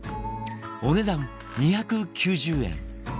お値段２９０円